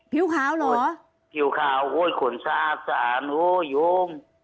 ผิวขาวเหรอผิวขาวโอ้ยขนสะอาดสารโอ้ยโยง